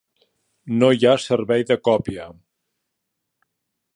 No hi ha servei de còpia.